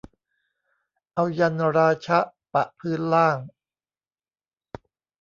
เอายันต์ราชะปะพื้นล่าง